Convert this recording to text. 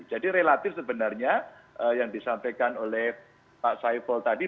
jadi relatif sebenarnya yang disampaikan oleh pak saiful tadi